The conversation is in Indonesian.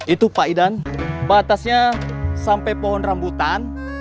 itu pak idan batasnya sampai pohon rambutan